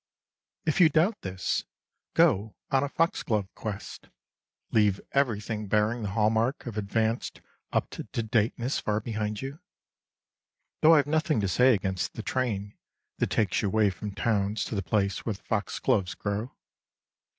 If you doubt this, go on a foxglove quest; leave everything bearing the hall mark of advanced up to dateness far behind you—though I've nothing to say against the train that takes you away from towns to the place where the foxgloves grow!